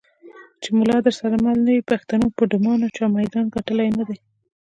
چې ملا درسره مل نه وي پښتونه په ډمانو چا میدان ګټلی نه دی.